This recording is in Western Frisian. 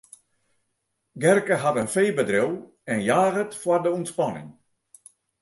Gerke hat in feebedriuw en jaget foar de ûntspanning.